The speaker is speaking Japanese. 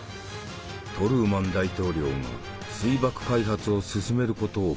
トルーマン大統領が水爆開発を進めることを決定。